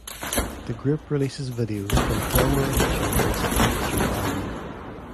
The group releases videos from former officials in support of Joe Biden.